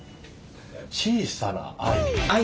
「小さな愛」。